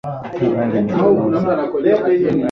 Jua limechomoza.